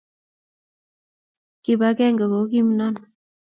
Kibagenge ko kimnon